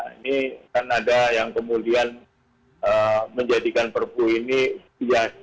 ini kan ada yang kemudian menjadikan perbu ini bias